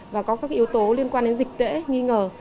và có các yếu tố liên quan đến dịch tễ nghi ngờ